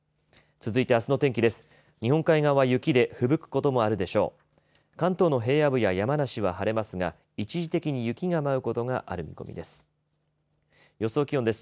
続いて、あすの天気です。